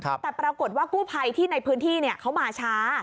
แต่ปรากฏว่ากู้ภัยที่ในพื้นที่เขามาช้า